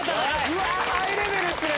うわっハイレベルっすね。